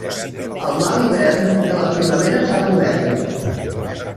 El mal hivern, de la primavera fa govern.